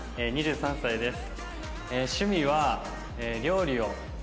２３歳です。